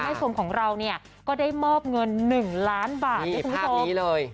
แม่ชมของเราก็ได้มอบเงิน๑ล้านบาทคุณผู้ชม